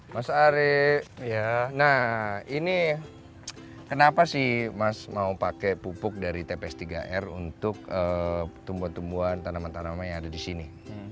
mas ari ya nah ini kenapa sih mas mau pakai pupuk dari tps tiga r untuk tumbuhan tumbuhan tanaman tanaman yang ada di sini